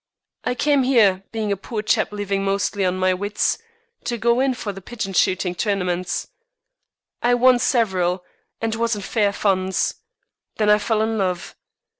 "I came here, being a poor chap living mostly on my wits, to go in for the pigeon shooting tournaments. I won several, and was in fair funds. Then I fell in love.